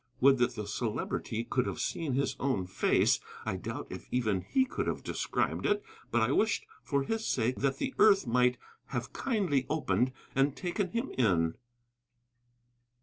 Would that the Celebrity could have seen his own face. I doubt if even he could have described it. But I wished for his sake that the earth might have kindly opened and taken him in.